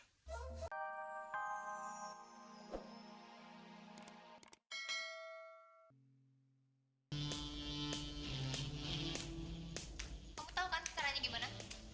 kamu tahu kan caranya gimana